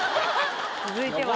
続いては。